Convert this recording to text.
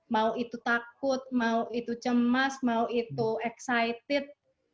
mau itu takut mau itu cemas mau itu excited